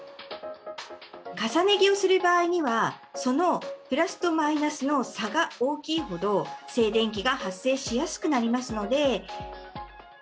重ね着をする場合には、そのプラスとマイナスの差が大きいほど静電気が発生しやすくなりますので。